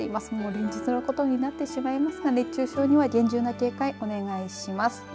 連日のことになってしまいますが熱中症には厳重な警戒お願いします。